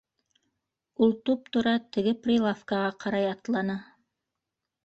Ул туп-тура теге прилавкаға ҡарай атланы.